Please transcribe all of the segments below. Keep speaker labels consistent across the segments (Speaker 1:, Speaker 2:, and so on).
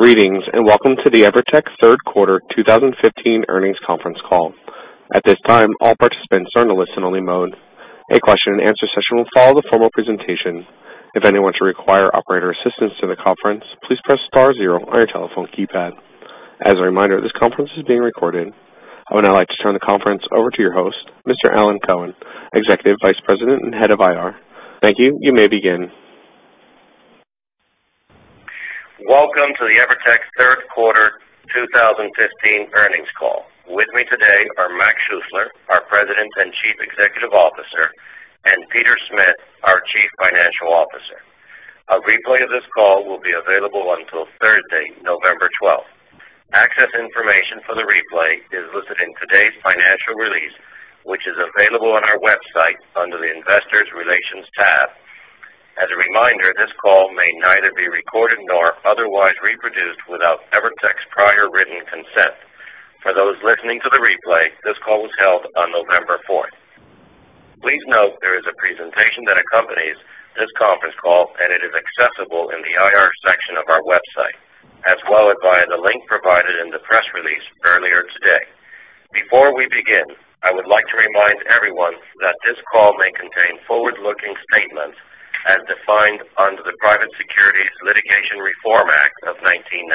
Speaker 1: Greetings. Welcome to the EVERTEC third quarter 2015 earnings conference call. At this time, all participants are in a listen-only mode. A question-and-answer session will follow the formal presentation. If anyone should require operator assistance during the conference, please press star 0 on your telephone keypad. As a reminder, this conference is being recorded. I would now like to turn the conference over to your host, Mr. Alan Cohen, Executive Vice President and Head of IR. Thank you. You may begin.
Speaker 2: Welcome to the EVERTEC third quarter 2015 earnings call. With me today are Mac Schuessler, our President and Chief Executive Officer, and Peter Smith, our Chief Financial Officer. A replay of this call will be available until Thursday, November 12th. Access information for the replay is listed in today's financial release, which is available on our website under the Investor Relations tab. As a reminder, this call may neither be recorded nor otherwise reproduced without EVERTEC's prior written consent. For those listening to the replay, this call was held on November 4th. Please note there is a presentation that accompanies this conference call, and it is accessible in the IR section of our website, as well as via the link provided in the press release earlier today. Before we begin, I would like to remind everyone that this call may contain forward-looking statements as defined under the Private Securities Litigation Reform Act of 1995.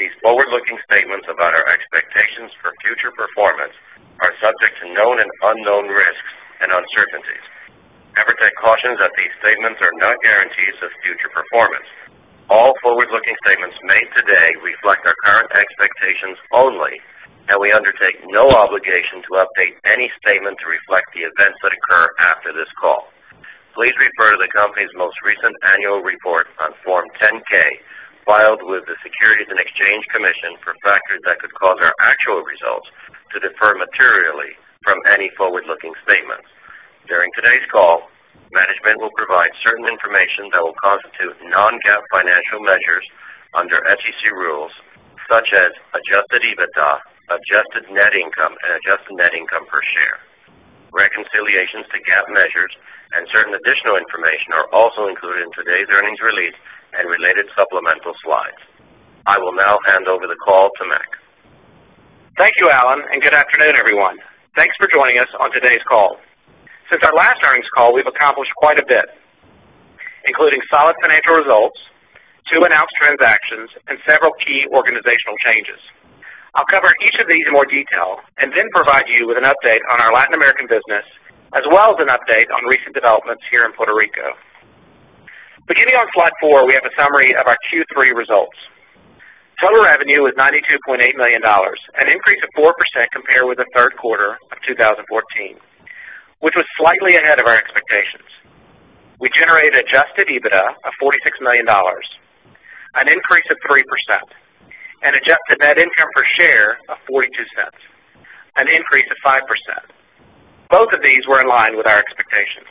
Speaker 2: These forward-looking statements about our expectations for future performance are subject to known and unknown risks and uncertainties. EVERTEC cautions that these statements are not guarantees of future performance. All forward-looking statements made today reflect our current expectations only. We undertake no obligation to update any statement to reflect the events that occur after this call. Please refer to the company's most recent annual report on Form 10-K filed with the Securities and Exchange Commission for factors that could cause our actual results to differ materially from any forward-looking statements. During today's call, management will provide certain information that will constitute non-GAAP financial measures under SEC rules such as adjusted EBITDA, adjusted net income, and adjusted net income per share. Reconciliations to GAAP measures and certain additional information are also included in today's earnings release and related supplemental slides. I will now hand over the call to Mac.
Speaker 3: Thank you, Alan, and good afternoon, everyone. Thanks for joining us on today's call. Since our last earnings call, we've accomplished quite a bit, including solid financial results, two announced transactions, and several key organizational changes. I'll cover each of these in more detail and then provide you with an update on our Latin American business, as well as an update on recent developments here in Puerto Rico. Beginning on slide four, we have a summary of our Q3 results. Total revenue was $92.8 million, an increase of 4% compared with the third quarter of 2014, which was slightly ahead of our expectations. We generated adjusted EBITDA of $46 million, an increase of 3%, and adjusted net income per share of $0.42, an increase of 5%. Both of these were in line with our expectations.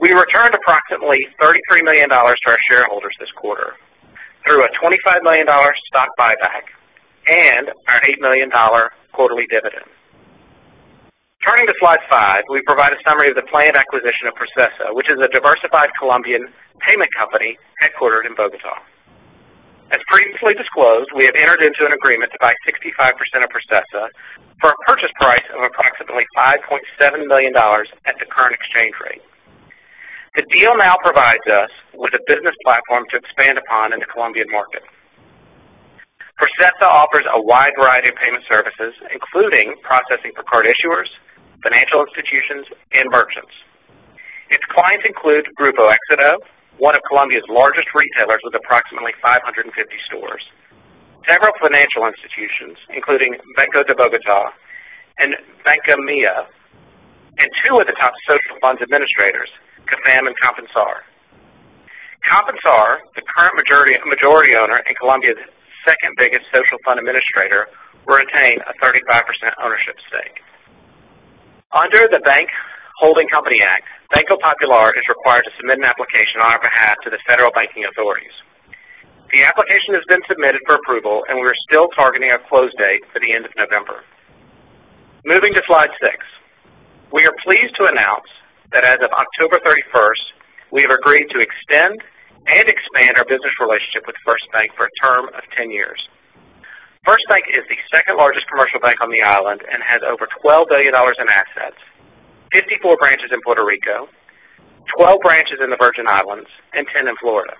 Speaker 3: We returned approximately $33 million to our shareholders this quarter through a $25 million stock buyback and our $8 million quarterly dividend. Turning to slide five, we provide a summary of the planned acquisition of Processa, which is a diversified Colombian payment company headquartered in Bogotá. As previously disclosed, we have entered into an agreement to buy 65% of Processa for a purchase price of approximately $5.7 million at the current exchange rate. The deal now provides us with a business platform to expand upon in the Colombian market. Processa offers a wide variety of payment services, including processing for card issuers, financial institutions, and merchants. Its clients include Grupo Éxito, one of Colombia's largest retailers with approximately 550 stores. Several financial institutions, including Banco de Bogotá and Bancamía, and two of the top social funds administrators, Cafam and Compensar. Compensar, the current majority owner and Colombia's second-biggest social fund administrator, will retain a 35% ownership stake. Under the Bank Holding Company Act, Banco Popular is required to submit an application on our behalf to the federal banking authorities. The application has been submitted for approval, and we are still targeting a close date for the end of November. Moving to slide six. We are pleased to announce that as of October 31st, we have agreed to extend and expand our business relationship with FirstBank for a term of 10 years. FirstBank is the second-largest commercial bank on the island and has over $12 billion in assets, 54 branches in Puerto Rico, 12 branches in the Virgin Islands, and 10 in Florida.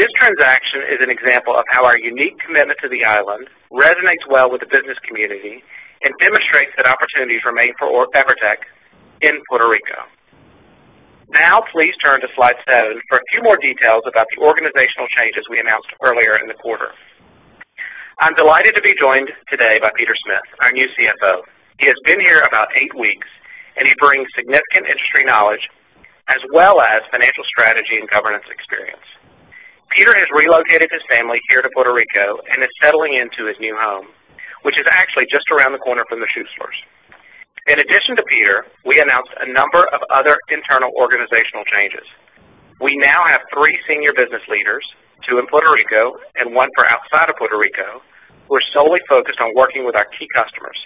Speaker 3: This transaction is an example of how our unique commitment to the island resonates well with the business community and demonstrates that opportunities remain for EVERTEC in Puerto Rico. Now please turn to slide seven for a few more details about the organizational changes we announced earlier in the quarter. I'm delighted to be joined today by Peter Smith, our new CFO. He has been here about eight weeks, and he brings significant industry knowledge as well as financial strategy and governance experience. Peter has relocated his family here to Puerto Rico and is settling into his new home, which is actually just around the corner from the Schuesslers. In addition to Peter, we announced a number of other internal organizational changes. We now have three senior business leaders, two in Puerto Rico and one for outside of Puerto Rico, who are solely focused on working with our key customers.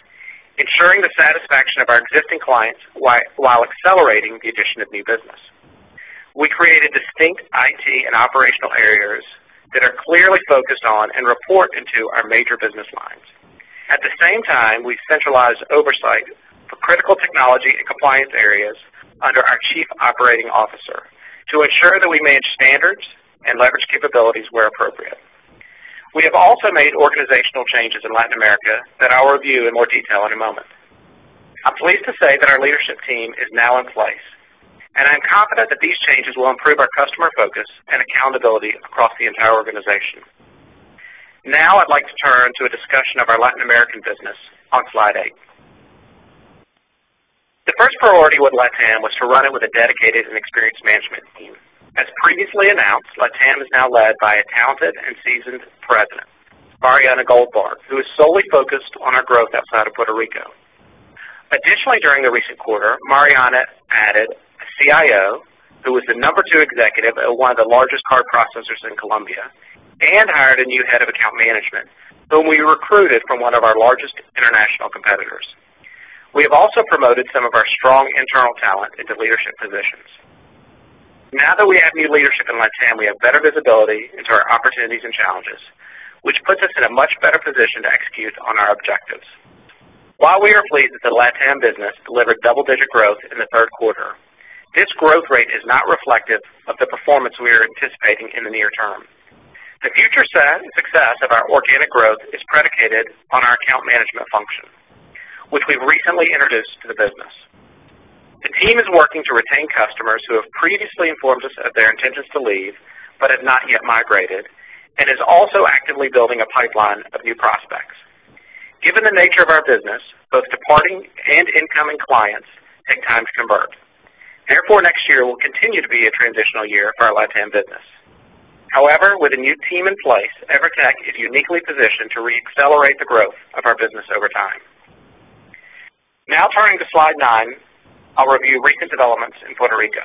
Speaker 3: Ensuring the satisfaction of our existing clients while accelerating the addition of new business. We created distinct IT and operational areas that are clearly focused on and report into our major business lines. At the same time, we centralized oversight for critical technology and compliance areas under our Chief Operating Officer to ensure that we manage standards and leverage capabilities where appropriate. We have also made organizational changes in Latin America that I'll review in more detail in a moment. I'm pleased to say that our leadership team is now in place, and I am confident that these changes will improve our customer focus and accountability across the entire organization. Now I'd like to turn to a discussion of our Latin American business on slide eight. The first priority with LATAM was to run it with a dedicated and experienced management team. As previously announced, LATAM is now led by a talented and seasoned president, Mariana Goldvarg, who is solely focused on our growth outside of Puerto Rico. Additionally, during the recent quarter, Mariana added a CIO who was the number two executive at one of the largest card processors in Colombia and hired a new head of account management, whom we recruited from one of our largest international competitors. We have also promoted some of our strong internal talent into leadership positions. Now that we have new leadership in LATAM, we have better visibility into our opportunities and challenges, which puts us in a much better position to execute on our objectives. While we are pleased that the LATAM business delivered double-digit growth in the third quarter, this growth rate is not reflective of the performance we are anticipating in the near term. The future success of our organic growth is predicated on our account management function, which we've recently introduced to the business. The team is working to retain customers who have previously informed us of their intentions to leave but have not yet migrated and is also actively building a pipeline of new prospects. Given the nature of our business, both departing and incoming clients take time to convert. Therefore, next year will continue to be a transitional year for our LATAM business. However, with a new team in place, EVERTEC is uniquely positioned to re-accelerate the growth of our business over time. Now turning to slide nine, I'll review recent developments in Puerto Rico.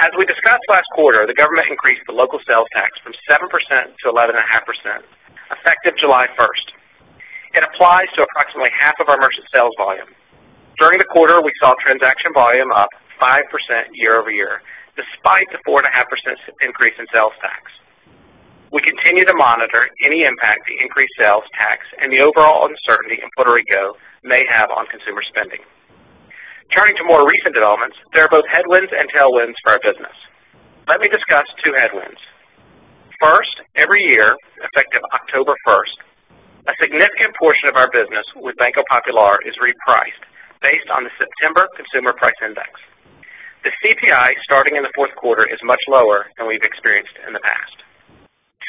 Speaker 3: As we discussed last quarter, the government increased the local sales tax from 7% to 11.5%, effective July 1st. It applies to approximately half of our merchant sales volume. During the quarter, we saw transaction volume up 5% year-over-year, despite the 4.5% increase in sales tax. We continue to monitor any impact the increased sales tax and the overall uncertainty in Puerto Rico may have on consumer spending. Turning to more recent developments, there are both headwinds and tailwinds for our business. Let me discuss two headwinds. First, every year, effective October 1st, a significant portion of our business with Banco Popular is repriced based on the September Consumer Price Index. The CPI starting in the fourth quarter is much lower than we've experienced in the past.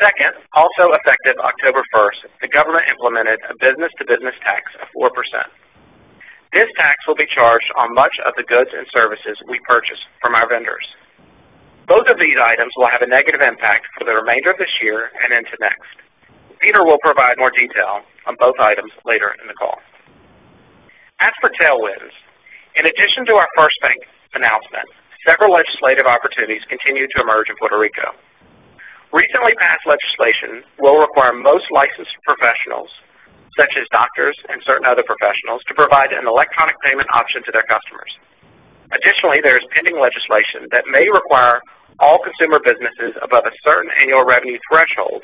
Speaker 3: Second, also effective October 1st, the government implemented a business-to-business tax of 4%. This tax will be charged on much of the goods and services we purchase from our vendors. Both of these items will have a negative impact for the remainder of this year and into next. Peter will provide more detail on both items later in the call. As for tailwinds, in addition to our FirstBank announcement, several legislative opportunities continue to emerge in Puerto Rico. Recently passed legislation will require most licensed professionals, such as doctors and certain other professionals, to provide an electronic payment option to their customers. Additionally, there is pending legislation that may require all consumer businesses above a certain annual revenue threshold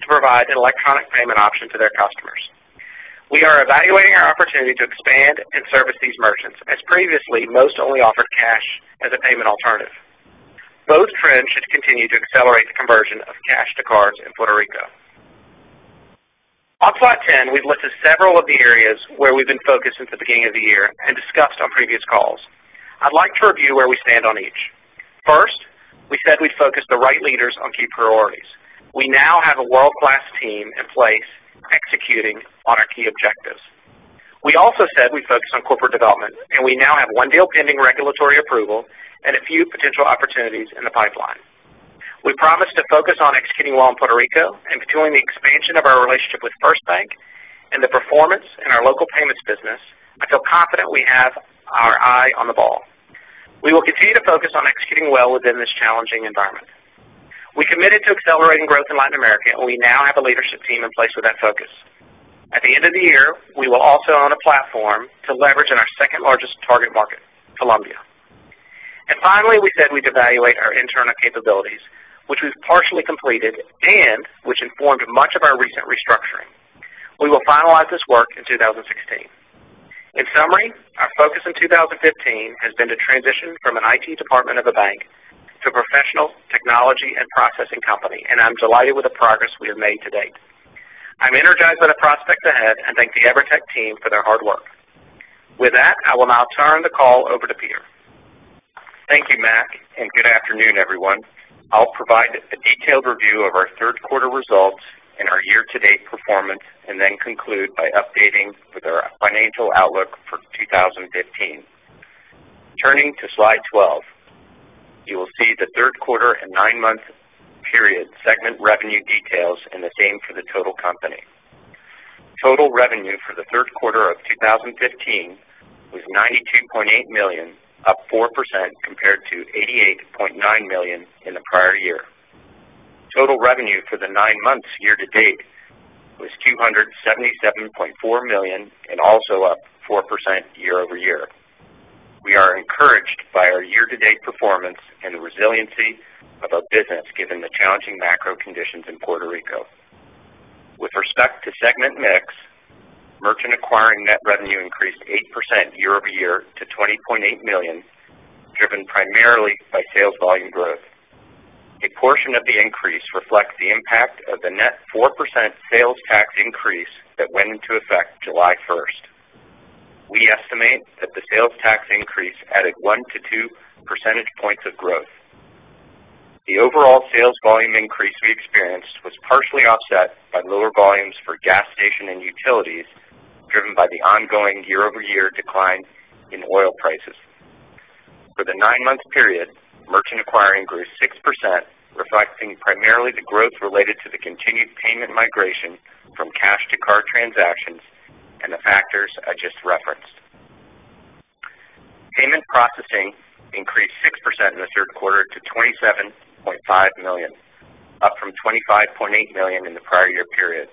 Speaker 3: to provide an electronic payment option to their customers. We are evaluating our opportunity to expand and service these merchants, as previously, most only offered cash as a payment alternative. Both trends should continue to accelerate the conversion of cash to cards in Puerto Rico. On slide 10, we've listed several of the areas where we've been focused since the beginning of the year and discussed on previous calls. I'd like to review where we stand on each. First, we said we'd focus the right leaders on key priorities. We now have a world-class team in place executing on our key objectives. We also said we'd focus on corporate development, and we now have one deal pending regulatory approval and a few potential opportunities in the pipeline. We promised to focus on executing well in Puerto Rico and between the expansion of our relationship with FirstBank and the performance in our local payments business, I feel confident we have our eye on the ball. We will continue to focus on executing well within this challenging environment. We committed to accelerating growth in Latin America, and we now have a leadership team in place with that focus. At the end of the year, we will also own a platform to leverage in our second-largest target market, Colombia. Finally, we said we'd evaluate our internal capabilities, which we've partially completed and which informed much of our recent restructuring. We will finalize this work in 2016. In summary, our focus in 2015 has been to transition from an IT department of a bank to a professional technology and processing company, and I'm delighted with the progress we have made to date. I'm energized by the prospects ahead and thank the EVERTEC team for their hard work. With that, I will now turn the call over to Peter.
Speaker 4: Thank you, Mac, and good afternoon, everyone. I'll provide a detailed review of our third quarter results and our year-to-date performance and then conclude by updating with our financial outlook for 2015. Turning to slide 12, you will see the third quarter and nine-month period segment revenue details and the same for the total company. Total revenue for the third quarter of 2015 was $92.8 million, up 4% compared to $88.9 million in the prior year. Total revenue for the nine months year to date was $277.4 million, and also up 4% year-over-year. We are encouraged by our year-to-date performance and the resiliency of our business, given the challenging macro conditions in Puerto Rico. With respect to segment mix, merchant acquiring net revenue increased 8% year-over-year to $20.8 million, driven primarily by sales volume growth. A portion of the increase reflects the impact of the net 4% sales tax increase that went into effect July 1st. We estimate that the sales tax increase added one to two percentage points of growth. The overall sales volume increase we experienced was partially offset by lower volumes for gas station and utilities, driven by the ongoing year-over-year decline in oil prices. For the nine-month period, merchant acquiring grew 6%, reflecting primarily the growth related to the continued payment migration from cash to card transactions and the factors I just referenced. Payment processing increased 6% in the third quarter to $27.5 million, up from $25.8 million in the prior year period.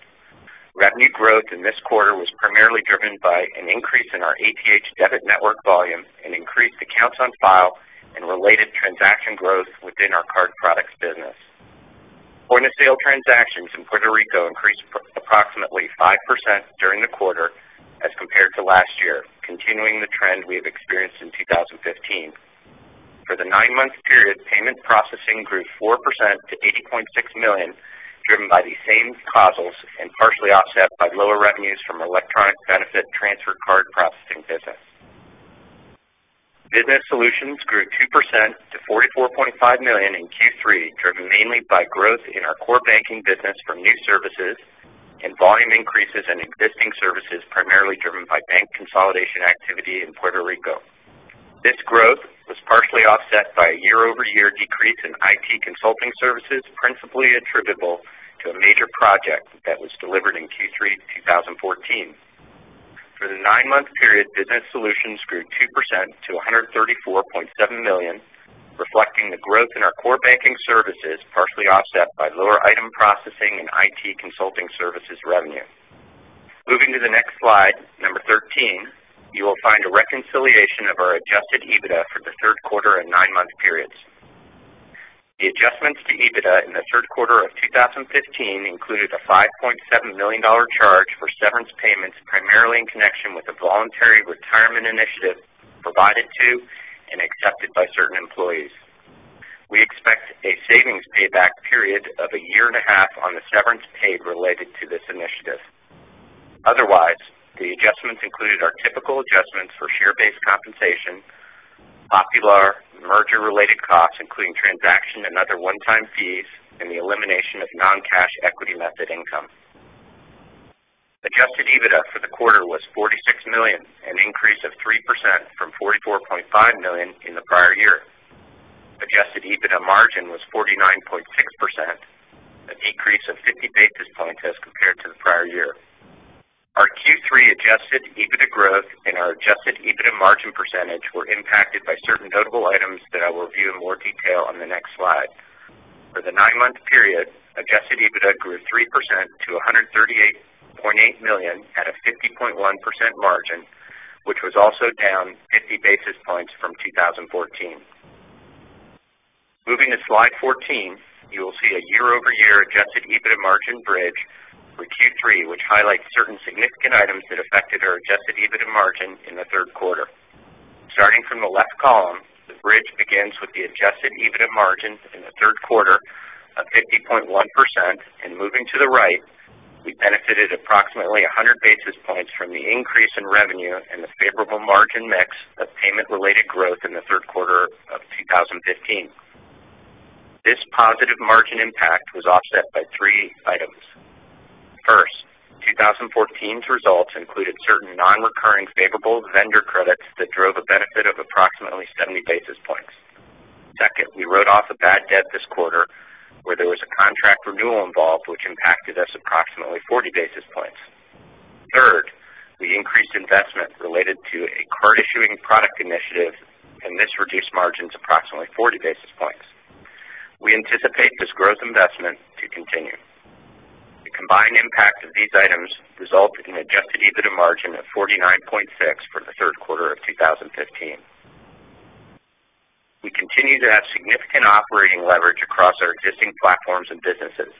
Speaker 4: Revenue growth in this quarter was primarily driven by an increase in our ATH debit network volume and increased accounts on file and related transaction growth within our card products business. Point-of-sale transactions in Puerto Rico increased approximately 5% during the quarter as compared to last year, continuing the trend we have experienced in 2015. For the nine-month period, payment processing grew 4% to $80.6 million, driven by these same causals and partially offset by lower revenues from electronic benefit transfer card processing business. Business solutions grew 2% to $44.5 million in Q3, driven mainly by growth in our core banking business from new services and volume increases in existing services, primarily driven by bank consolidation activity in Puerto Rico. This growth was partially offset by a year-over-year decrease in IT consulting services, principally attributable to a major project that was delivered in Q3 2014. For the nine-month period, business solutions grew 2% to $134.7 million, reflecting the growth in our core banking services, partially offset by lower item processing and IT consulting services revenue. Moving to the next slide, number 13, you will find a reconciliation of our Adjusted EBITDA for the third quarter and nine-month periods. The adjustments to EBITDA in the third quarter of 2015 included a $5.7 million charge for severance payments, primarily in connection with a voluntary retirement initiative provided to and accepted by certain employees. We expect a savings payback period of a year and a half on the severance paid related to this initiative. Otherwise, the adjustments included our typical adjustments for share-based compensation, Popular merger-related costs, including transaction and other one-time fees, and the elimination of non-cash equity method income. Adjusted EBITDA for the quarter was $46 million, an increase of 3% from $44.5 million in the prior year. Adjusted EBITDA margin was 49.6%, an increase of 50 basis points as compared to the prior year. Our Q3 Adjusted EBITDA growth and our Adjusted EBITDA margin percentage were impacted by certain notable items that I will review in more detail on the next slide. For the nine-month period, Adjusted EBITDA grew 3% to $138.8 million at a 50.1% margin, which was also down 50 basis points from 2014. Moving to slide 14, you will see a year-over-year Adjusted EBITDA margin bridge for Q3, which highlights certain significant items that affected our Adjusted EBITDA margin in the third quarter. Starting from the left column, the bridge begins with the Adjusted EBITDA margin in the third quarter of 50.1%, and moving to the right, we benefited approximately 100 basis points from the increase in revenue and the favorable margin mix of payment-related growth in the third quarter of 2015. This positive margin impact was offset by three items. First, 2014's results included certain non-recurring favorable vendor credits that drove a benefit of approximately 70 basis points. Second, we wrote off a bad debt this quarter where there was a contract renewal involved, which impacted us approximately 40 basis points. Third, we increased investment related to a card-issuing product initiative. This reduced margins approximately 40 basis points. We anticipate this growth investment to continue. The combined impact of these items resulted in adjusted EBITDA margin of 49.6 for the third quarter of 2015. We continue to have significant operating leverage across our existing platforms and businesses.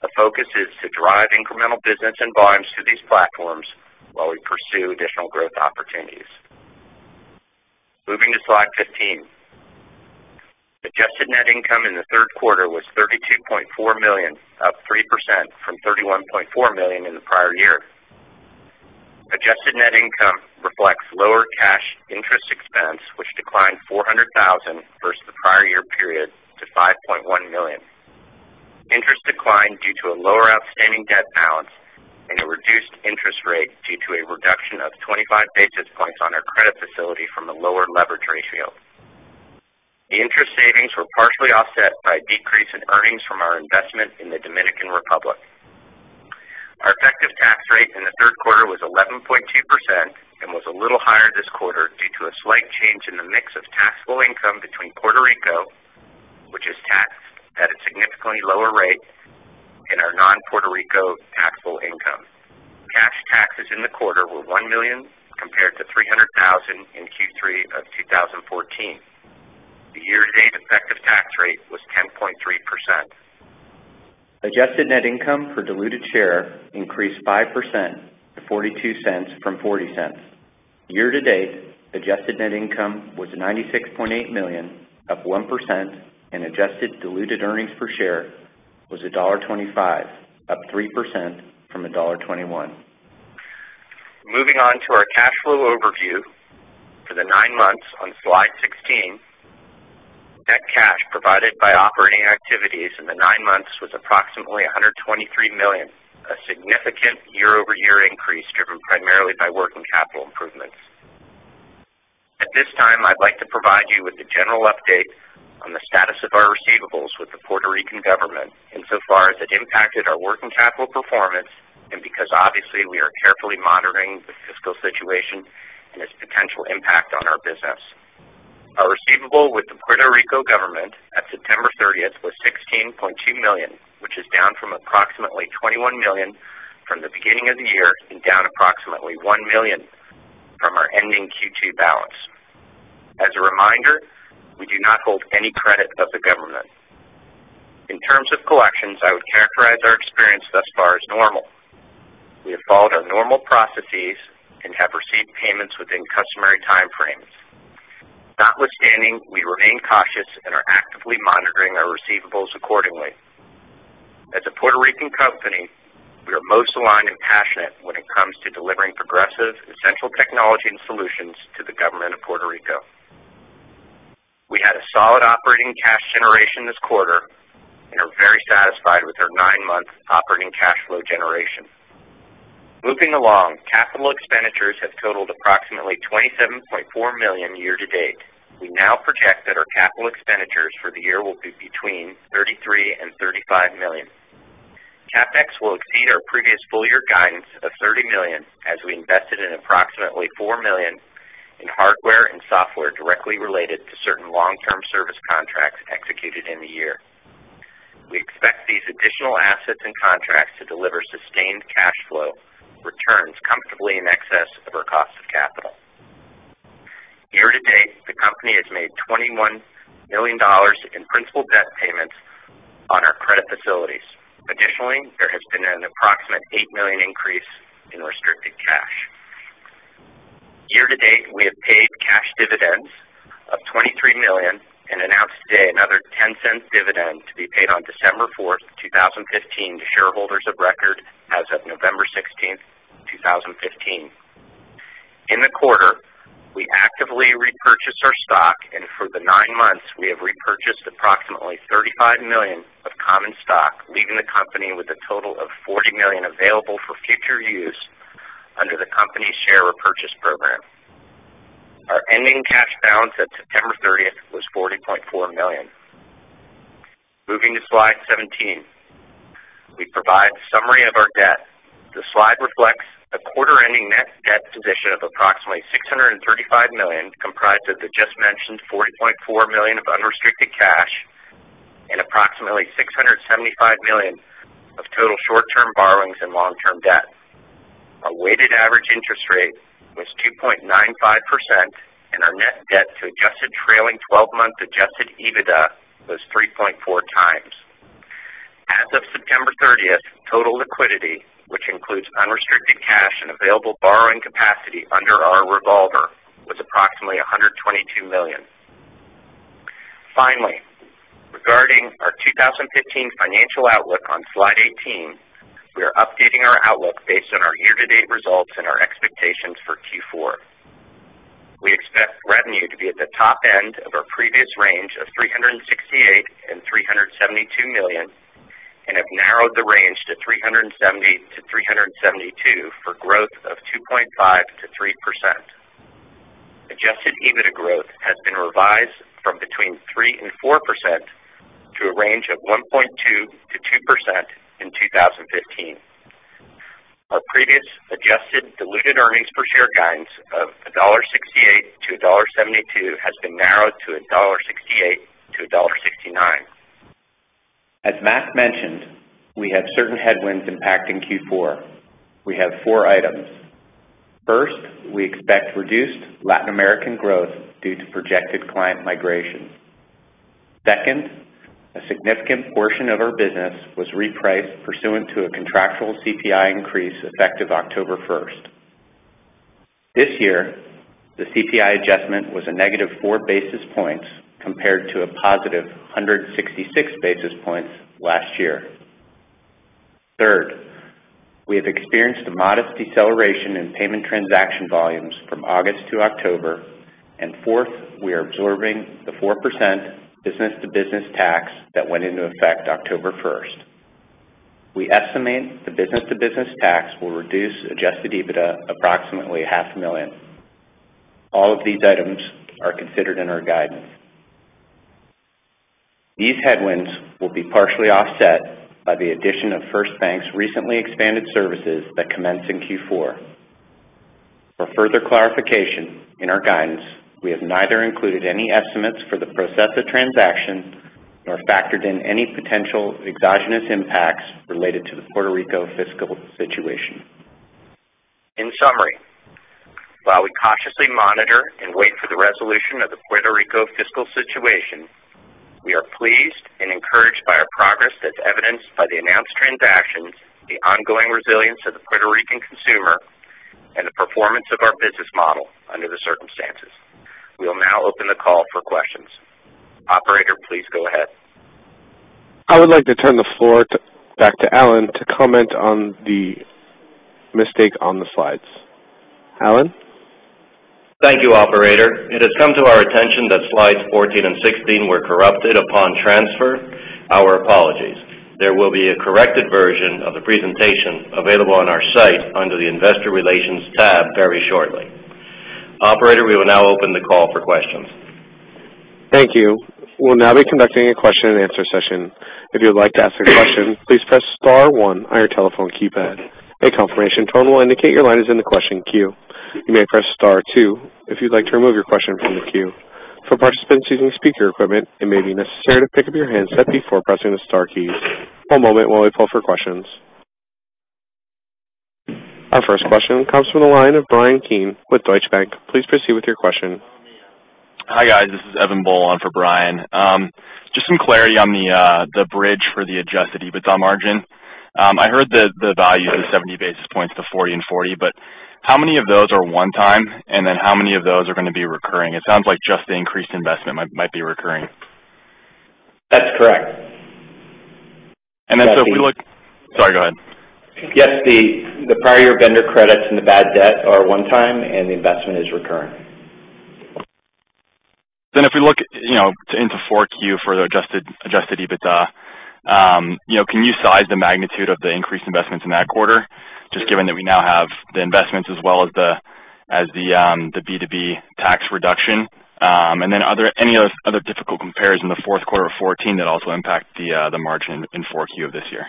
Speaker 4: The focus is to drive incremental business and volumes through these platforms while we pursue additional growth opportunities. Moving to slide 15. Adjusted net income in the third quarter was $32.4 million, up 3% from $31.4 million in the prior year. Adjusted net income reflects lower cash interest expense, which declined $400,000 versus the prior year period to $5.1 million. Interest declined due to a lower outstanding debt balance and a reduced interest rate due to a reduction of 25 basis points on our credit facility from a lower leverage ratio. The interest savings were partially offset by a decrease in earnings from our investment in the Dominican Republic. Our effective tax rate in the third quarter was 11.2% of taxable income between Puerto Rico, which is taxed at a significantly lower rate, and our non-Puerto Rico taxable income. Cash taxes in the quarter were $1 million, compared to $300,000 in Q3 of 2014. The year-to-date effective tax rate was 10.3%. Adjusted net income per diluted share increased 5% to $0.42 from $0.40. Year-to-date, adjusted net income was $96.8 million, up 1%, and adjusted diluted earnings per share was $1.25, up 3% from $1.21. Moving on to our cash flow overview for the nine months on slide 16. Net cash provided by operating activities in the nine months was approximately $123 million, a significant year-over-year increase driven primarily by working capital improvements. At this time, I'd like to provide you with a general update on the status of our receivables with the Puerto Rican government insofar as it impacted our working capital performance and because obviously we are carefully monitoring the fiscal situation and its potential impact on our business. Our receivable with the Puerto Rico government at September 30th was $16.2 million, which is down from approximately $21 million from the beginning of the year and down approximately $1 million from our ending Q2 balance. As a reminder, we do not hold any credit of the government. In terms of collections, I would characterize our experience thus far as normal. We have followed our normal processes and have received payments within customary time frames. Notwithstanding, we remain cautious and are actively monitoring our receivables accordingly. As a Puerto Rican company, we are most aligned and passionate when it comes to delivering progressive, essential technology and solutions to the government of Puerto Rico. We had a solid operating cash generation this quarter and are very satisfied with our nine-month operating cash flow generation. Moving along, capital expenditures have totaled approximately $27.4 million year-to-date. We now project that our capital expenditures for the year will be between $33 million and $35 million. CapEx will exceed our previous full-year guidance of $30 million as we invested in approximately $4 million in hardware and software directly related to certain long-term service contracts executed in the year. We expect these additional assets and contracts to deliver sustained cash flow returns comfortably in excess of our cost of capital. Year-to-date, the company has made $21 million in principal debt payments on our credit facilities. Additionally, there has been an approximate $8 million increase in restricted cash. Year-to-date, we have paid cash dividends of $23 million and announced today another $0.10 dividend to be paid on December 4, 2015, to shareholders of record as of November 16, 2015. In the quarter, we actively repurchased our stock, and for the nine months, we have repurchased approximately $35 million of common stock, leaving the company with a total of $40 million available for future use under the company's share repurchase program. Our ending cash balance at September 30th was $40.4 million. Moving to slide 17, we provide a summary of our debt. The slide reflects a quarter-ending net debt position of approximately $635 million, comprised of the just-mentioned $40.4 million of unrestricted cash and approximately $675 million of total short-term borrowings and long-term debt. Our weighted average interest rate was 2.95%, and our net debt to adjusted trailing 12-month adjusted EBITDA was 3.4 times. As of September 30th, total liquidity, which includes unrestricted cash and available borrowing capacity under our revolver, was approximately $122 million. Finally, regarding our 2015 financial outlook on Slide 18, we are updating our outlook based on our year-to-date results and our expectations for Q4. We expect revenue to be at the top end of our previous range of $368 million-$372 million and have narrowed the range to $370 million-$372 million for growth of 2.5%-3%. Adjusted EBITDA growth has been revised from between 3% and 4% to a range of 1.2%-2% in 2015. Our previous adjusted diluted earnings per share guidance of $1.68-$1.72 has been narrowed to $1.68-$1.69. As Mac mentioned, we have certain headwinds impacting Q4. We have four items. First, we expect reduced Latin American growth due to projected client migration. Second, a significant portion of our business was repriced pursuant to a contractual CPI increase effective October 1st. This year, the CPI adjustment was a negative four basis points compared to a positive 166 basis points last year. Third, we have experienced a modest deceleration in payment transaction volumes from August to October. Fourth, we are absorbing the 4% business-to-business tax that went into effect October 1st. We estimate the business-to-business tax will reduce adjusted EBITDA approximately a half million. All of these items are considered in our guidance. These headwinds will be partially offset by the addition of FirstBank's recently expanded services that commence in Q4. For further clarification in our guidance, we have neither included any estimates for the Processa transaction nor factored in any potential exogenous impacts related to the Puerto Rico fiscal situation. In summary, while we cautiously monitor and wait for the resolution of the Puerto Rico fiscal situation, we are pleased and encouraged by our progress that's evidenced by the announced transactions, the ongoing resilience of the Puerto Rican consumer, and the performance of our business model under the circumstances. We'll now open the call for questions. Operator, please go ahead.
Speaker 1: I would like to turn the floor back to Alan to comment on the mistake on the slides. Alan?
Speaker 2: Thank you, operator. It has come to our attention that slides 14 and 16 were corrupted upon transfer. Our apologies. There will be a corrected version of the presentation available on our site under the investor relations tab very shortly. Operator, we will now open the call for questions.
Speaker 1: Thank you. We'll now be conducting a question and answer session. If you would like to ask a question, please press star one on your telephone keypad. A confirmation tone will indicate your line is in the question queue. You may press star two if you'd like to remove your question from the queue. For participants using speaker equipment, it may be necessary to pick up your handset before pressing the star keys. One moment while we pull for questions. Our first question comes from the line of Bryan Keane with Deutsche Bank. Please proceed with your question.
Speaker 5: Hi, guys. This is Eavan Boland for Bryan. Just some clarity on the bridge for the adjusted EBITDA margin. I heard the value of the 70 basis points, the 40 and 40, how many of those are one time, and then how many of those are going to be recurring? It sounds like just the increased investment might be recurring.
Speaker 4: That's correct.
Speaker 5: If we look Sorry, go ahead.
Speaker 4: Yes, the prior vendor credits and the bad debt are one time, and the investment is recurring.
Speaker 5: If we look into 4Q for the adjusted EBITDA, can you size the magnitude of the increased investments in that quarter, just given that we now have the investments as well as the B2B tax reduction? Are there any other difficult compares in the fourth quarter of 2014 that also impact the margin in 4Q of this year?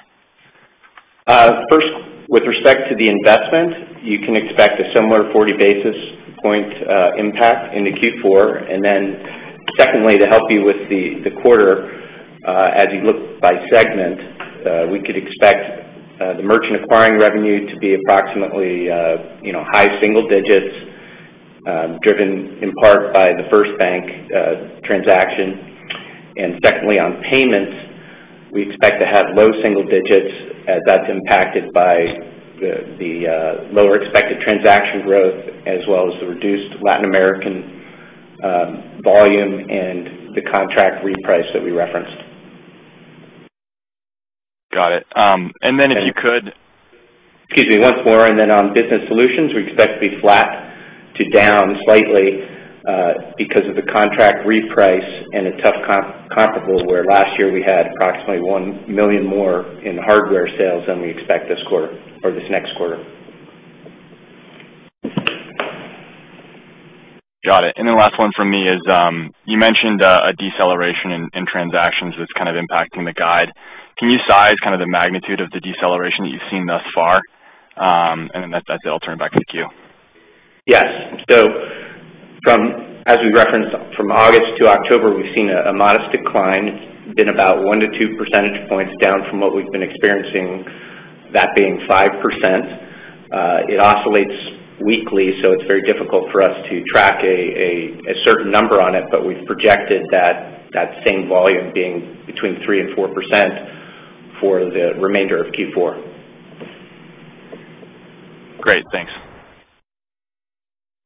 Speaker 4: First, with respect to the investment, you can expect a similar 40 basis point impact into Q4. Secondly, to help you with the quarter, as you look by segment, we could expect the merchant acquiring revenue to be approximately high single digits, driven in part by the FirstBank transaction. Secondly, on payments, we expect to have low single digits as that's impacted by the lower expected transaction growth as well as the reduced Latin American volume and the contract reprice that we referenced.
Speaker 5: Got it.
Speaker 4: Excuse me, once more. On business solutions, we expect to be flat to down slightly because of the contract reprice and a tough comparable, where last year we had approximately $1 million more in hardware sales than we expect this next quarter.
Speaker 5: Got it. The last one from me is, you mentioned a deceleration in transactions that's kind of impacting the guide. Can you size the magnitude of the deceleration that you've seen thus far? That's it. I'll turn it back to the queue.
Speaker 4: Yes. As we referenced from August to October, we've seen a modest decline. It's been about one to two percentage points down from what we've been experiencing, that being 5%. It oscillates weekly, so it's very difficult for us to track a certain number on it. We've projected that same volume being between 3% and 4% for the remainder of Q4.
Speaker 5: Great. Thanks.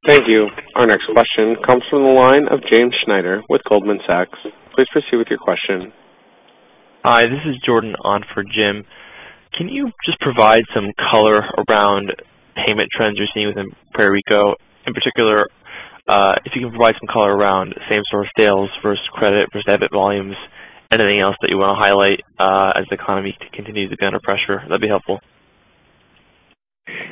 Speaker 1: Thank you. Our next question comes from the line of James Schneider with Goldman Sachs. Please proceed with your question.
Speaker 6: Hi, this is Jordan on for Jim. Can you just provide some color around payment trends you're seeing within Puerto Rico, in particular, if you can provide some color around same store sales versus credit versus debit volumes, anything else that you want to highlight as the economy continues to be under pressure? That would be helpful.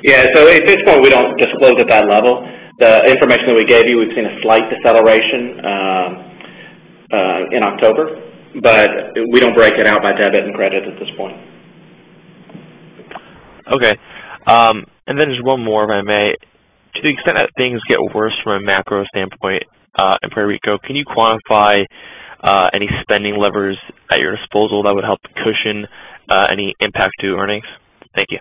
Speaker 4: Yeah. At this point, we don't disclose at that level. The information that we gave you, we've seen a slight deceleration in October, but we don't break it out by debit and credit at this point.
Speaker 6: Okay. Just one more, if I may. To the extent that things get worse from a macro standpoint in Puerto Rico, can you quantify any spending levers at your disposal that would help cushion any impact to earnings? Thank you.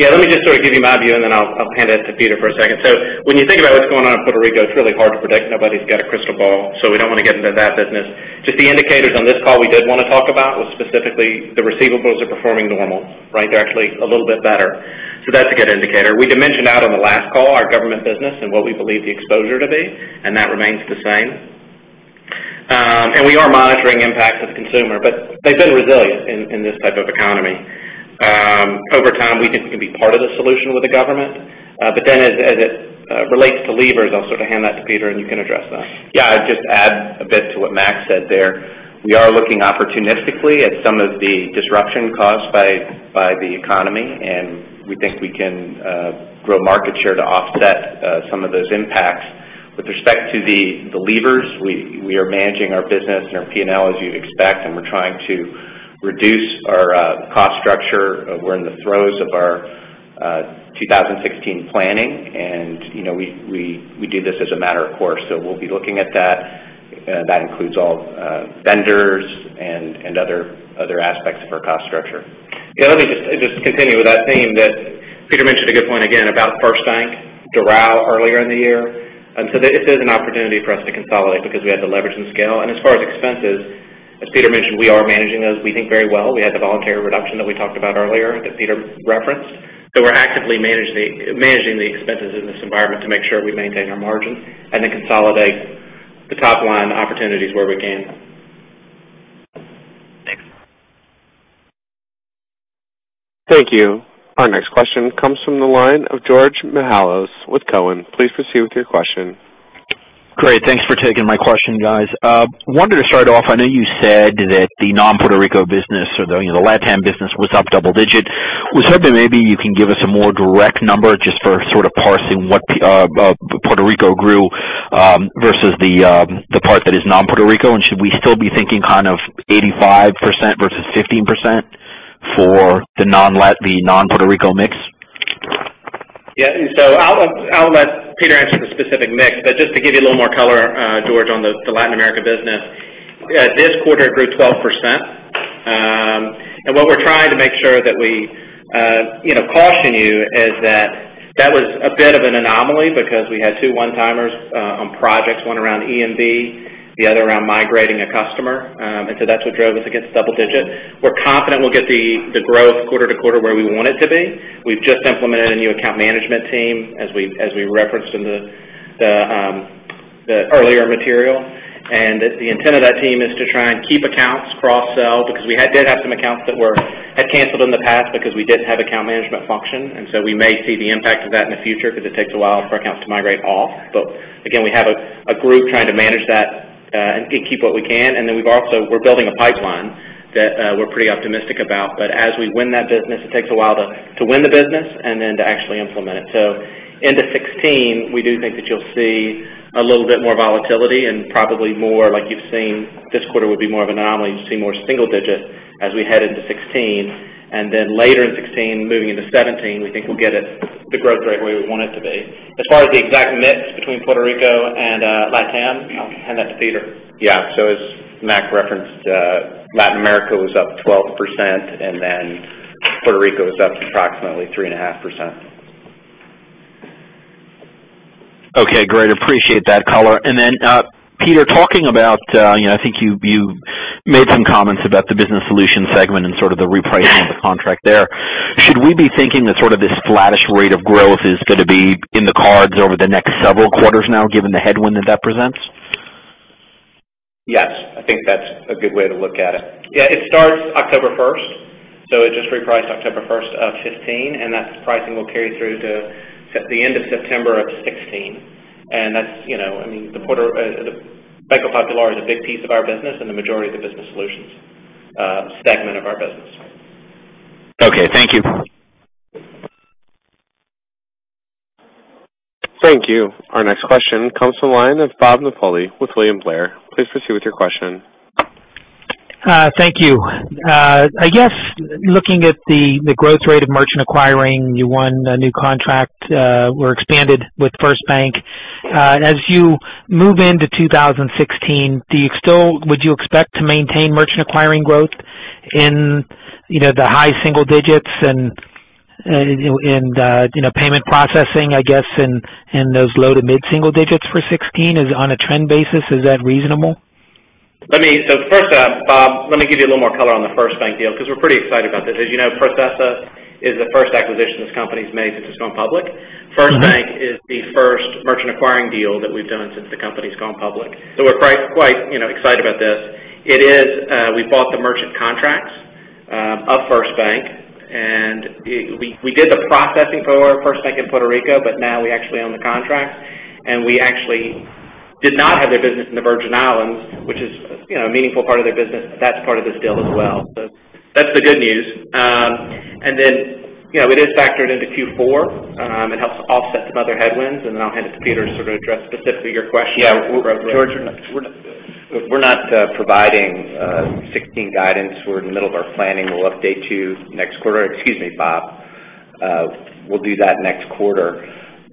Speaker 2: Let me just sort of give you my view, then I'll hand it to Peter for a second. When you think about what's going on in Puerto Rico, it's really hard to predict. Nobody's got a crystal ball, we don't want to get into that business. Just the indicators on this call we did want to talk about was specifically the receivables are performing normal, right? They're actually a little bit better. That's a good indicator. We did mention out on the last call our government business and what we believe the exposure to be, and that remains the same. We are monitoring impacts of consumer, but they've been resilient in this type of economy. Over time, we think we can be part of the solution with the government.
Speaker 4: As it relates to levers, I'll sort of hand that to Peter, and you can address that. I'd just add a bit to what Mac said there. We are looking opportunistically at some of the disruption caused by the economy, and we think we can grow market share to offset some of those impacts. With respect to the levers, we are managing our business and our P&L as you'd expect, and we're trying to reduce our cost structure. We're in the throes of our 2016 planning, and we do this as a matter of course. We'll be looking at that. That includes all vendors and other aspects of our cost structure.
Speaker 3: Let me just continue with that theme that Peter mentioned a good point again about FirstBank, Doral Bank earlier in the year. This is an opportunity for us to consolidate because we have the leverage and scale. As far as expenses, as Peter mentioned, we are managing those, we think very well. We had the voluntary reduction that we talked about earlier that Peter referenced. We're actively managing the expenses in this environment to make sure we maintain our margin and then consolidate the top-line opportunities where we can.
Speaker 6: Thanks.
Speaker 1: Thank you. Our next question comes from the line of Georgios Mihalos with Cowen. Please proceed with your question.
Speaker 7: Great. Thanks for taking my question, guys. Wanted to start off, I know you said that the non-Puerto Rico business or the Latin business was up double-digit. Was hoping maybe you can give us a more direct number just for sort of parsing what Puerto Rico grew versus the part that is non-Puerto Rico. Should we still be thinking kind of 85% versus 15% for the non-Puerto Rico mix?
Speaker 3: Yeah. I'll let Peter answer the specific mix. Just to give you a little more color, George, on the Latin America business. This quarter it grew 12%. What we're trying to make sure that we caution you is that that was a bit of an anomaly because we had two one-timers on projects, one around EMV, the other around migrating a customer. That's what drove us against double-digit. We're confident we'll get the growth quarter-to-quarter where we want it to be. We've just implemented a new account management team as we referenced in the earlier material. The intent of that team is to try and keep accounts cross-sell because we did have some accounts that had canceled in the past because we didn't have account management function. We may see the impact of that in the future because it takes a while for accounts to migrate off. Again, we have a group trying to manage that and keep what we can. We've also, we're building a pipeline that we're pretty optimistic about. As we win that business, it takes a while to win the business and then to actually implement it. Into 2016, we do think that you'll see a little bit more volatility and probably more like you've seen this quarter would be more of an anomaly to see more single-digit as we head into 2016. Later in 2016, moving into 2017, we think we'll get the growth rate where we want it to be. As far as the exact mix between Puerto Rico and Latin, I'll hand that to Peter.
Speaker 4: Yeah. As Mac referenced, Latin America was up 12%, Puerto Rico was up approximately 3.5%.
Speaker 7: Okay, great. Appreciate that color. Peter, talking about, I think you made some comments about the business solutions segment and sort of the repricing of the contract there. Should we be thinking that sort of this flattish rate of growth is going to be in the cards over the next several quarters now, given the headwind that that presents?
Speaker 3: Yes. I think that's a good way to look at it. Yeah, it starts October 1st. It just repriced October 1st of 2015, That pricing will carry through to the end of September of 2016. Banco Popular is a big piece of our business and the majority of the business solutions segment of our business.
Speaker 7: Okay. Thank you.
Speaker 1: Thank you. Our next question comes from the line of Robert Napoli with William Blair. Please proceed with your question.
Speaker 8: Thank you. I guess looking at the growth rate of merchant acquiring, you won a new contract or expanded with FirstBank. As you move into 2016, would you expect to maintain merchant acquiring growth in the high single digits and payment processing I guess in those low to mid single digits for 2016 on a trend basis? Is that reasonable?
Speaker 3: First, Bob, let me give you a little more color on the FirstBank deal because we're pretty excited about this. As you know, Processa is the first acquisition this company's made since it's gone public. FirstBank is the first merchant acquiring deal that we've done since the company's gone public. We're quite excited about this. We bought the merchant contracts of FirstBank, we did the processing for FirstBank in Puerto Rico, but now we actually own the contracts. We actually did not have their business in the Virgin Islands, which is a meaningful part of their business, but that's part of this deal as well. That's the good news. It is factored into Q4. It helps offset some other headwinds, I'll hand it to Peter to sort of address specifically your question.
Speaker 4: Yeah. George, we're not providing 2016 guidance. We're in the middle of our planning. We'll update you next quarter. Excuse me, Bob. We'll do that next quarter.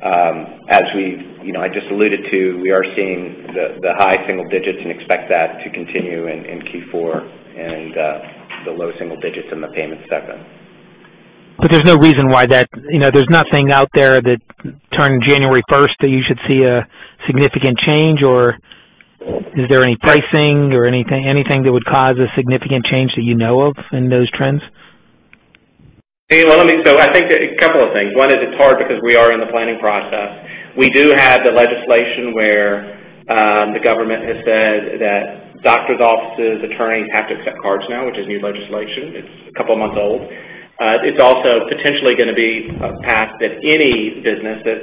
Speaker 4: I just alluded to we are seeing the high single digits and expect that to continue in Q4 and the low single digits in the payment segment.
Speaker 8: There's no reason why there's nothing out there that turning January 1st that you should see a significant change or is there any pricing or anything that would cause a significant change that you know of in those trends?
Speaker 3: I think a couple of things. One is it's hard because we are in the planning process. We do have the legislation where the government has said that doctor's offices, attorneys have to accept cards now, which is new legislation. It's a couple of months old. It's also potentially going to be a path that any business that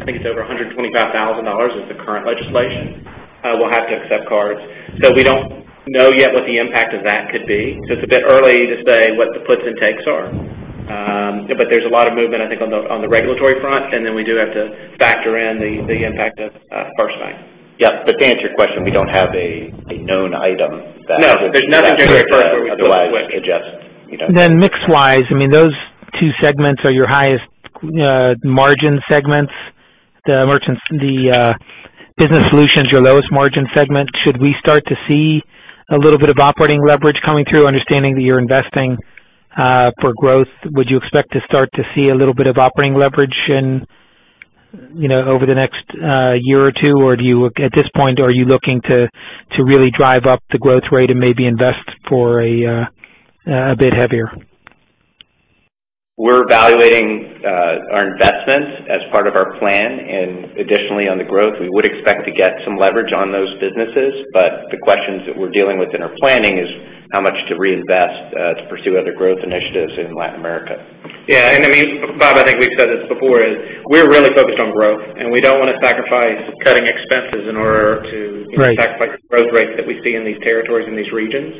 Speaker 3: I think it's over $125,000 is the current legislation. We'll have to accept cards. We don't know yet what the impact of that could be. It's a bit early to say what the puts and takes are. There's a lot of movement, I think, on the regulatory front, and then we do have to factor in the impact of FirstBank.
Speaker 4: Yes. To answer your question, we don't have a known item that.
Speaker 3: No. There's nothing to report where we took a quick.
Speaker 4: Otherwise could adjust.
Speaker 8: Mix-wise, those two segments are your highest margin segments. The business solutions, your lowest margin segment. Should we start to see a little bit of operating leverage coming through, understanding that you're investing for growth? Would you expect to start to see a little bit of operating leverage over the next year or two? Or at this point, are you looking to really drive up the growth rate and maybe invest for a bit heavier?
Speaker 4: We're evaluating our investments as part of our plan, and additionally, on the growth. We would expect to get some leverage on those businesses, but the questions that we're dealing with in our planning is how much to reinvest to pursue other growth initiatives in Latin America.
Speaker 3: Yeah. Bob, I think we've said this before, is we're really focused on growth, and we don't want to sacrifice cutting expenses.
Speaker 8: Right
Speaker 3: sacrifice the growth rates that we see in these territories and these regions.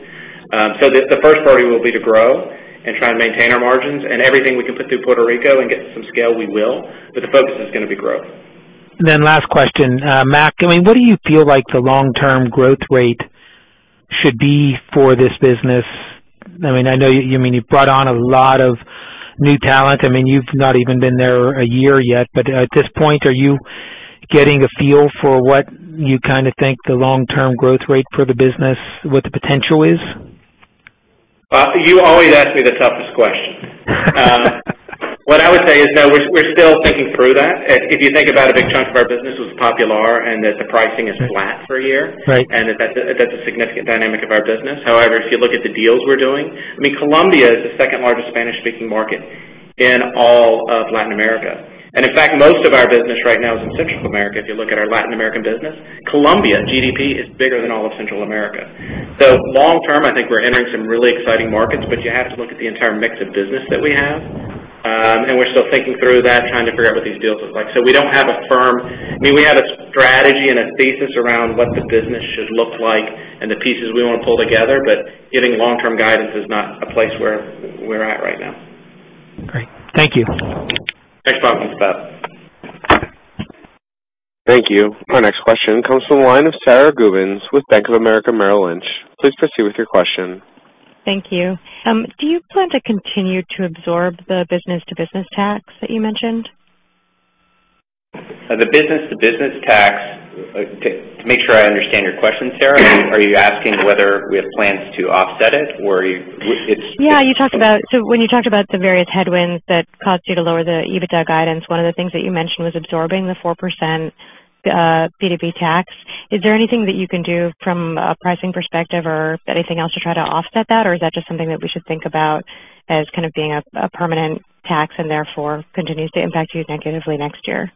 Speaker 3: The first priority will be to grow and try and maintain our margins. Everything we can put through Puerto Rico and get some scale, we will, but the focus is going to be growth.
Speaker 8: last question. Mac, what do you feel like the long-term growth rate should be for this business? I know you've brought on a lot of new talent. You've not even been there a year yet, but at this point, are you getting a feel for what you think the long-term growth rate for the business, what the potential is?
Speaker 3: Bob, you always ask me the toughest question. What I would say is, no, we're still thinking through that. If you think about it, a big chunk of our business was Popular, and that the pricing is flat for a year.
Speaker 8: Right.
Speaker 3: That's a significant dynamic of our business. However, if you look at the deals we're doing, Colombia is the second largest Spanish-speaking market in all of Latin America. In fact, most of our business right now is in Central America, if you look at our Latin American business. Colombia GDP is bigger than all of Central America. Long term, I think we're entering some really exciting markets, but you have to look at the entire mix of business that we have. We're still thinking through that, trying to figure out what these deals look like. We have a strategy and a thesis around what the business should look like and the pieces we want to pull together, but giving long-term guidance is not a place where we're at right now.
Speaker 8: Great. Thank you.
Speaker 3: Thanks for asking, Bob.
Speaker 1: Thank you. Our next question comes from the line of Sara Gubins with Bank of America Merrill Lynch. Please proceed with your question.
Speaker 9: Thank you. Do you plan to continue to absorb the business-to-business tax that you mentioned?
Speaker 4: The business-to-business tax, to make sure I understand your question, Sara, are you asking whether we have plans to offset it?
Speaker 9: Yeah. When you talked about the various headwinds that caused you to lower the EBITDA guidance, one of the things that you mentioned was absorbing the 4% B2B tax. Is there anything that you can do from a pricing perspective or anything else to try to offset that? Or is that just something that we should think about as being a permanent tax and therefore continues to impact you negatively next year?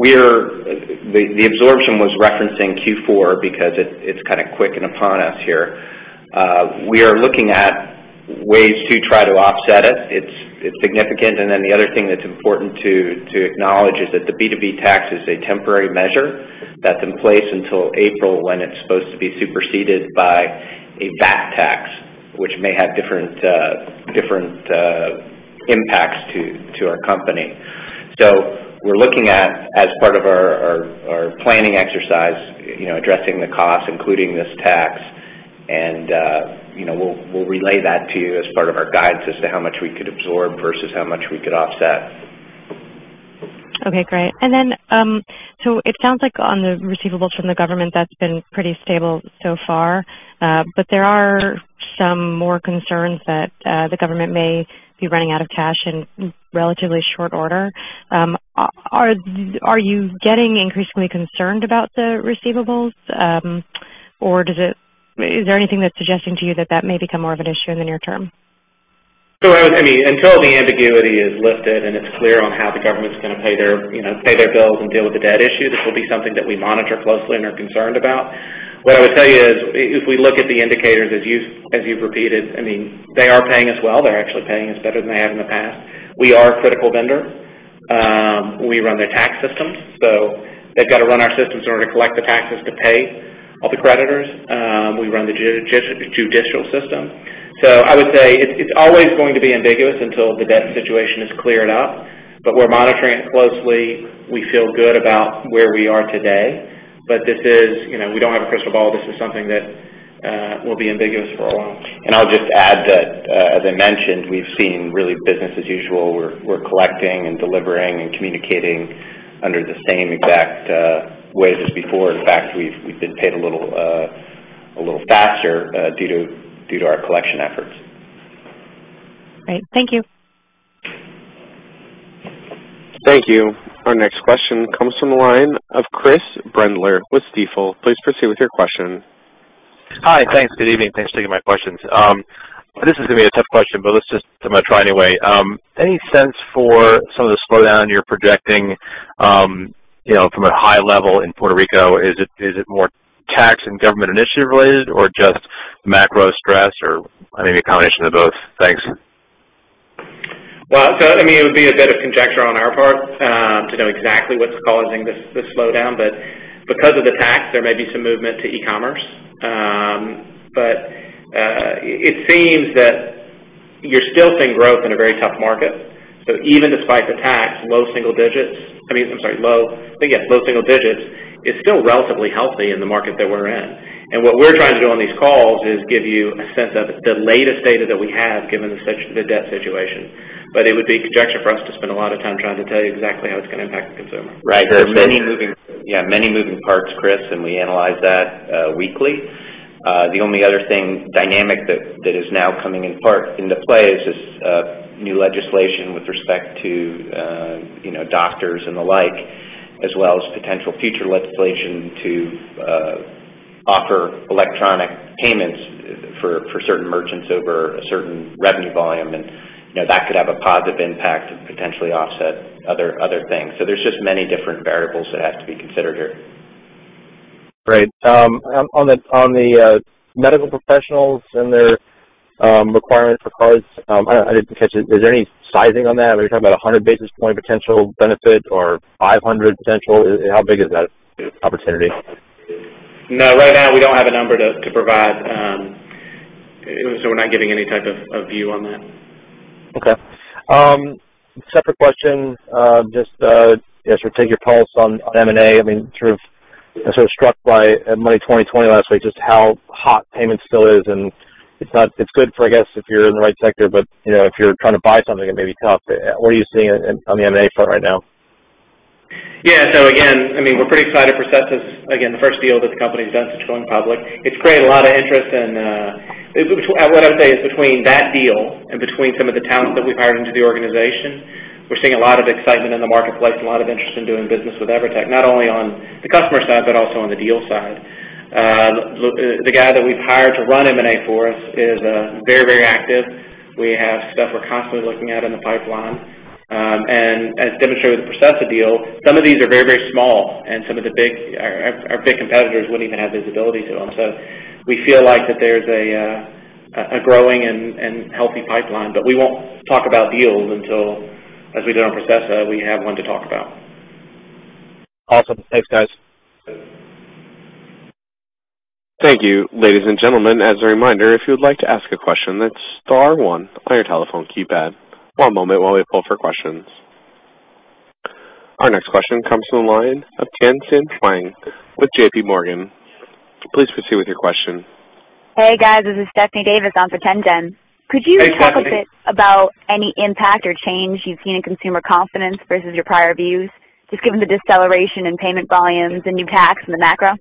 Speaker 4: The absorption was referencing Q4 because it's quick and upon us here. We are looking at ways to try to offset it. It's significant. The other thing that's important to acknowledge is that the B2B tax is a temporary measure that's in place until April when it's supposed to be superseded by a VAT tax, which may have different impacts to our company. We're looking at, as part of our planning exercise, addressing the cost, including this tax, and we'll relay that to you as part of our guidance as to how much we could absorb versus how much we could offset.
Speaker 9: Okay, great. It sounds like on the receivables from the government, that's been pretty stable so far. There are some more concerns that the government may be running out of cash in relatively short order. Are you getting increasingly concerned about the receivables? Is there anything that's suggesting to you that that may become more of an issue in the near term?
Speaker 3: Until the ambiguity is lifted and it's clear on how the government's going to pay their bills and deal with the debt issue, this will be something that we monitor closely and are concerned about. What I would say is, if we look at the indicators as you've repeated, they are paying us well. They're actually paying us better than they have in the past. We are a critical vendor. We run their tax systems, so they've got to run our systems in order to collect the taxes to pay all the creditors. We run the judicial system. I would say it's always going to be ambiguous until the debt situation is cleared up, but we're monitoring it closely. We feel good about where we are today. We don't have a crystal ball. This is something that will be ambiguous for a while.
Speaker 4: I'll just add that, as I mentioned, we've seen really business as usual. We're collecting and delivering and communicating under the same exact way as before. In fact, we've been paid a little faster due to our collection efforts.
Speaker 9: Great. Thank you.
Speaker 1: Thank you. Our next question comes from the line of Chris Brendler with Stifel. Please proceed with your question.
Speaker 10: Hi. Thanks. Good evening. Thanks for taking my questions. This is going to be a tough question, but I'm going to try anyway. Any sense for some of the slowdown you're projecting from a high level in Puerto Rico? Is it more tax and government initiative related or just macro stress or maybe a combination of both? Thanks.
Speaker 3: It would be a bit of conjecture on our part to know exactly what's causing this slowdown. Because of the tax, there may be some movement to e-commerce. It seems that you're still seeing growth in a very tough market. Even despite the tax, low single digits is still relatively healthy in the market that we're in. What we're trying to do on these calls is give you a sense of the latest data that we have, given the debt situation. It would be conjecture for us to spend a lot of time trying to tell you exactly how it's going to impact the consumer.
Speaker 4: Right. Many moving- Yeah, many moving parts, Chris, and we analyze that weekly. The only other thing dynamic that is now coming into play is this new legislation with respect to doctors and the like, as well as potential future legislation to offer electronic payments for certain merchants over a certain revenue volume. That could have a positive impact and potentially offset other things. There's just many different variables that have to be considered here.
Speaker 10: Great. On the medical professionals and their requirement for cards, I didn't catch it. Is there any sizing on that? Are you talking about 100 basis point potential benefit or 500 potential? How big is that opportunity?
Speaker 3: No, right now we don't have a number to provide. We're not giving any type of view on that.
Speaker 10: Okay. Separate question. Just sort of take your pulse on M&A. I was sort of struck by Money20/20 last week, just how hot payment still is. It's good for, I guess, if you're in the right sector, but if you're trying to buy something, it may be tough. What are you seeing on the M&A front right now?
Speaker 3: Yeah. Again, we're pretty excited for Processa. Again, the first deal that the company's done since going public. It's created a lot of interest. What I would say is between that deal and between some of the talent that we've hired into the organization, we're seeing a lot of excitement in the marketplace and a lot of interest in doing business with EVERTEC, not only on the customer side, but also on the deal side. The guy that we've hired to run M&A for us is very active. We have stuff we're constantly looking at in the pipeline. As demonstrated with the Processa deal, some of these are very small, and some of our big competitors wouldn't even have visibility to them. We feel like that there's a growing and healthy pipeline, but we won't talk about deals until, as we did on Processa, we have one to talk about.
Speaker 10: Awesome. Thanks, guys.
Speaker 1: Thank you. Ladies and gentlemen, as a reminder, if you would like to ask a question, it's star one on your telephone keypad. One moment while we poll for questions. Our next question comes from the line of Tien-Tsin Huang with JPMorgan. Please proceed with your question.
Speaker 11: Hey, guys. This is Stephanie Davis on for Tien-Tsin.
Speaker 3: Hey, Stephanie.
Speaker 11: Could you talk a bit about any impact or change you've seen in consumer confidence versus your prior views, just given the deceleration in payment volumes, the new tax, and the macro?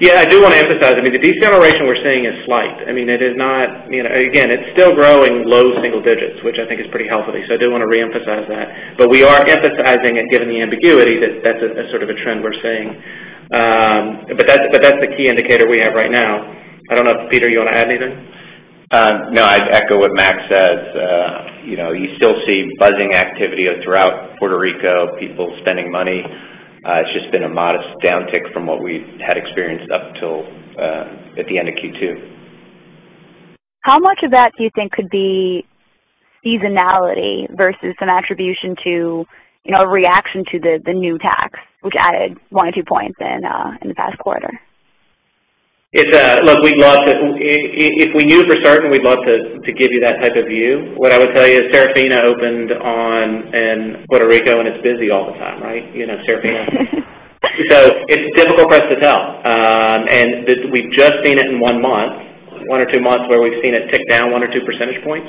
Speaker 3: Yeah, I do want to emphasize, the deceleration we're seeing is slight. Again, it's still growing low single digits, which I think is pretty healthy. I do want to reemphasize that. We are emphasizing it, given the ambiguity, that that's a sort of a trend we're seeing. That's the key indicator we have right now. I don't know if, Peter, you want to add anything?
Speaker 4: No, I'd echo what Mac says. You still see buzzing activity throughout Puerto Rico, people spending money. It's just been a modest downtick from what we had experienced up until at the end of Q2.
Speaker 11: How much of that do you think could be seasonality versus an attribution to a reaction to the new tax, which added one or two points in the past quarter?
Speaker 3: If we knew for certain, we'd love to give you that type of view. What I would tell you is Serafina opened in Puerto Rico, and it's busy all the time, right? You know Serafina. It's difficult for us to tell. We've just seen it in one month, one or two months where we've seen it tick down one or two percentage points.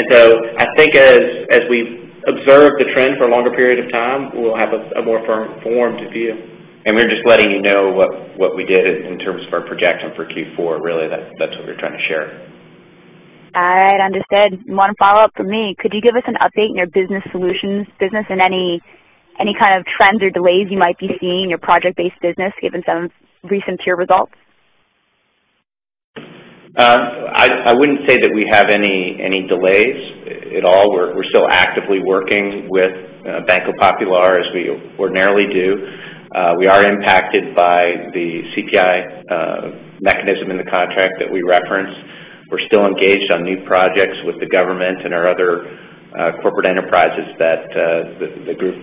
Speaker 3: I think as we observe the trend for a longer period of time, we'll have a more firm, formed view.
Speaker 4: We're just letting you know what we did in terms of our projection for Q4. Really, that's what we were trying to share.
Speaker 11: All right. Understood. One follow-up from me. Could you give us an update on your business solutions business and any kind of trends or delays you might be seeing in your project-based business, given some recent peer results?
Speaker 4: I wouldn't say that we have any delays at all. We're still actively working with Banco Popular as we ordinarily do. We are impacted by the CPI mechanism in the contract that we referenced. We're still engaged on new projects with the government and our other corporate enterprises, the group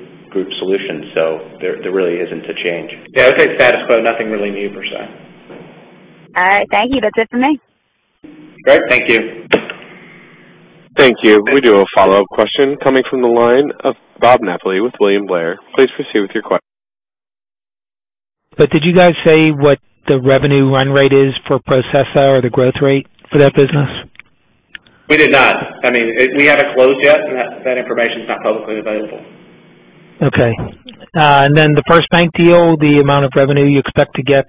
Speaker 4: solutions. There really isn't a change.
Speaker 3: Yeah, I would say status quo, nothing really new per se.
Speaker 11: All right. Thank you. That's it for me.
Speaker 4: Great. Thank you.
Speaker 1: Thank you. We do have a follow-up question coming from the line of Robert Napoli with William Blair. Please proceed with your.
Speaker 8: Did you guys say what the revenue run rate is for Processa or the growth rate for that business?
Speaker 3: We did not. We haven't closed yet, that information's not publicly available.
Speaker 8: Okay. The FirstBank deal, the amount of revenue you expect to get?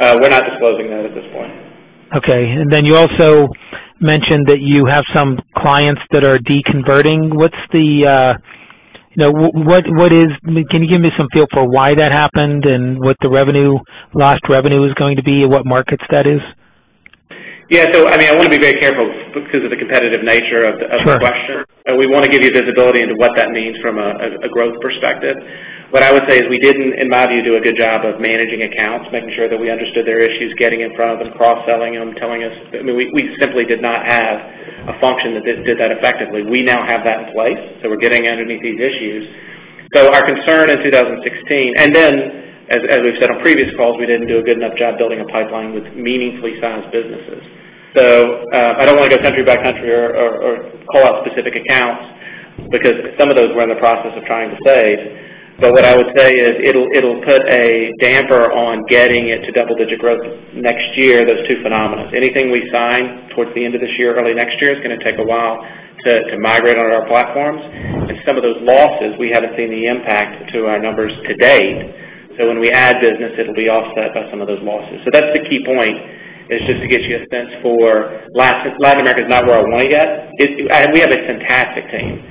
Speaker 3: We're not disclosing that at this point.
Speaker 8: Okay. You also mentioned that you have some clients that are deconverting. Can you give me some feel for why that happened and what the lost revenue is going to be and what markets that is?
Speaker 3: Yeah. I want to be very careful because of the competitive nature of the question.
Speaker 8: Sure.
Speaker 3: We want to give you visibility into what that means from a growth perspective. What I would say is we didn't, in my view, do a good job of managing accounts, making sure that we understood their issues, getting in front of them, cross-selling them. We simply did not have a function that did that effectively. We now have that in place, so we're getting underneath these issues. Our concern in 2016. As we've said on previous calls, we didn't do a good enough job building a pipeline with meaningfully sized businesses. I don't want to go country by country or call out specific accounts because some of those we're in the process of trying to save. What I would say is it'll put a damper on getting it to double-digit growth next year, those two phenomenons. Anything we sign towards the end of this year, early next year, is going to take a while to migrate onto our platforms. Some of those losses, we haven't seen the impact to our numbers to date. When we add business, it'll be offset by some of those losses. That's the key point, is just to get you a sense for Latin America is not where I want it yet. We have a fantastic team.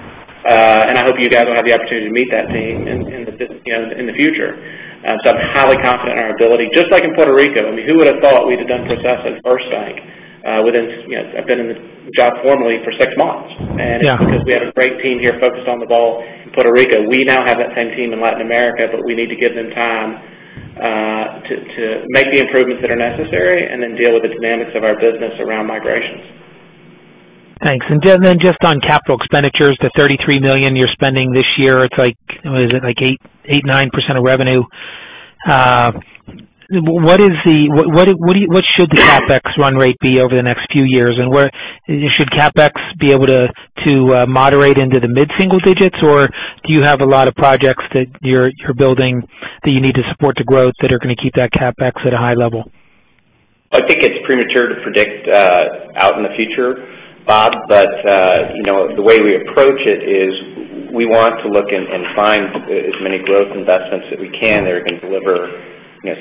Speaker 3: I hope you guys will have the opportunity to meet that team in the future. I'm highly confident in our ability. Just like in Puerto Rico, I mean, who would have thought we'd have done Processa and FirstBank within, I've been in the job formally for six months.
Speaker 8: Yeah.
Speaker 3: It's because we had a great team here focused on the goal in Puerto Rico. We now have that same team in Latin America, we need to give them time to make the improvements that are necessary deal with the dynamics of our business around migrations.
Speaker 8: Thanks. Just on capital expenditures, the $33 million you're spending this year, it's like 8%, 9% of revenue. What should the CapEx run rate be over the next few years, and should CapEx be able to moderate into the mid-single digits, or do you have a lot of projects that you're building that you need to support the growth that are going to keep that CapEx at a high level?
Speaker 4: I think it's premature to predict out in the future, Bob, the way we approach it is we want to look and find as many growth investments that we can that are going to deliver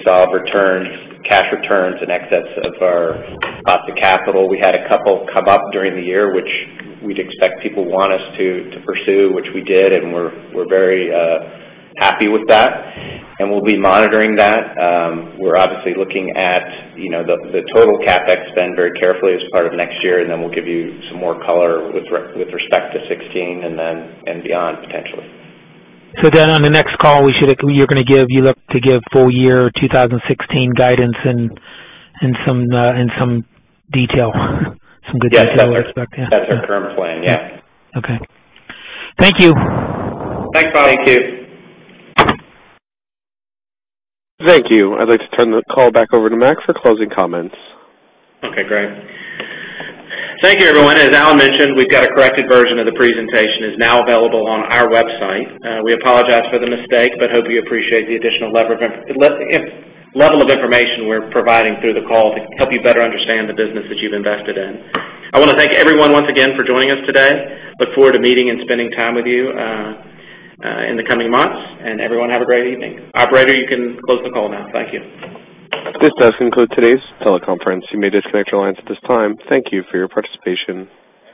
Speaker 4: solid returns, cash returns in excess of our cost of capital. We had a couple come up during the year, which we'd expect people want us to pursue, which we did, and we're very happy with that. We'll be monitoring that. We're obviously looking at the total CapEx spend very carefully as part of next year, and then we'll give you some more color with respect to 2016 and beyond, potentially.
Speaker 8: On the next call, you look to give full year 2016 guidance and some detail, some good detail, I would expect, yeah.
Speaker 3: That's our current plan, yeah.
Speaker 8: Okay. Thank you.
Speaker 3: Thanks, Bob.
Speaker 4: Thank you.
Speaker 1: Thank you. I'd like to turn the call back over to Mac for closing comments.
Speaker 3: Okay, great. Thank you, everyone. As Alan mentioned, we've got a corrected version of the presentation. It's now available on our website. We apologize for the mistake, but hope you appreciate the additional level of information we're providing through the call to help you better understand the business that you've invested in. I want to thank everyone once again for joining us today. Look forward to meeting and spending time with you in the coming months. Everyone, have a great evening. Operator, you can close the call now. Thank you.
Speaker 1: This does conclude today's teleconference. You may disconnect your lines at this time. Thank you for your participation.